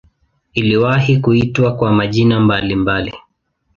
Iliwahi kuitwa kwa majina mbalimbali.